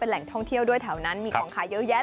แหล่งท่องเที่ยวด้วยแถวนั้นมีของขายเยอะแยะ